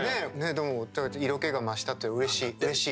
でも色気が増したってうれしいうれしい。